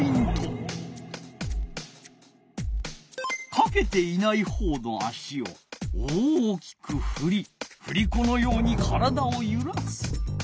かけていないほうの足を大きくふりふりこのように体をゆらす。